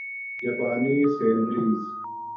جاپانی سیلابریز